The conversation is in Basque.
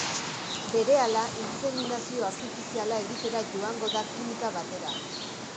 Berehala intseminazio artifiziala egitera joango da klinika batera.